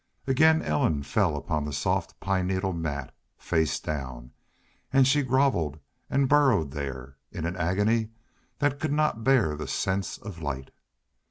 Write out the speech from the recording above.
Again Ellen fell upon the soft pine needle mat, face down, and she groveled and burrowed there, in an agony that could not bear the sense of light.